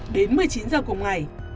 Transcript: đến một mươi chín giờ cùng ngày